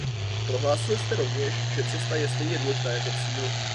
Prohlásil jste rovněž, že cesta je stejně důležitá jako cíl.